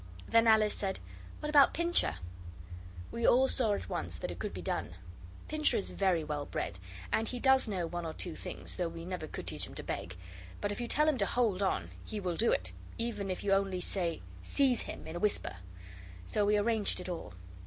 Then Alice said, 'What about Pincher?' And we all saw at once that it could be done. Pincher is very well bred, and he does know one or two things, though we never could teach him to beg. But if you tell him to hold on he will do it, even if you only say 'Seize him!' in a whisper. So we arranged it all.